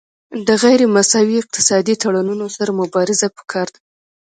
د غیر مساوي اقتصادي تړونونو سره مبارزه پکار ده